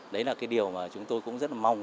đấy là cái điều mà chúng tôi cũng rất là mong